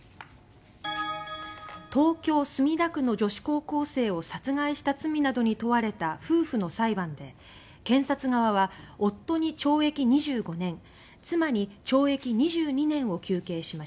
東京・墨田区の女子高校生を殺害した罪などに問われた夫婦の裁判で検察側は、夫に懲役２５年妻に懲役２２年を求刑しました。